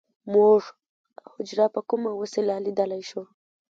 موږ حجره په کومه وسیله لیدلی شو